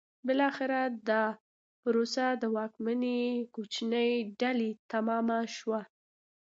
بالاخره دا پروسه د واکمنې کوچنۍ ډلې تمامه شوه.